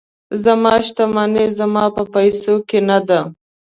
زما شتمني زما په پیسو کې نه ده.